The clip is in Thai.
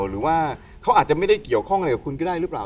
หรือว่าเขาอาจจะไม่ได้เกี่ยวข้องอะไรกับคุณก็ได้หรือเปล่า